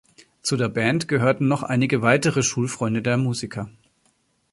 Zu der Band gehörten noch einige weitere Schulfreunde der Musiker.